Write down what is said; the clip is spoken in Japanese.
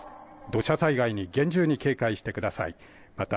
土砂災害に厳重に警戒してください。